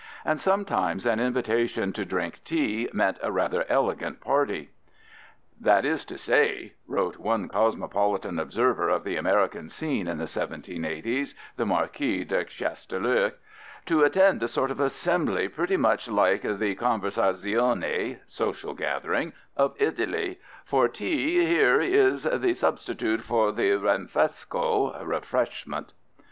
And sometimes an invitation to drink tea meant a rather elegant party. "That is to say," wrote one cosmopolitan observer of the American scene in the 1780's, the Marquis de Chastellux, "to attend a sort of assembly pretty much like the conversazioni [social gathering] of Italy; for tea here, is the substitute for the rinfresco [refreshment]."